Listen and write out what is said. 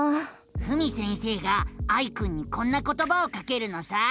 ふみ先生がアイくんにこんなことばをかけるのさ。